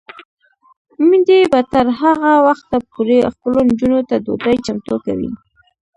میندې به تر هغه وخته پورې خپلو نجونو ته ډوډۍ چمتو کوي.